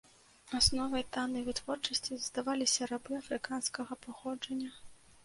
Асновай таннай вытворчасці заставаліся рабы афрыканскага паходжання.